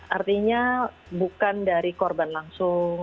artinya bukan dari korban langsung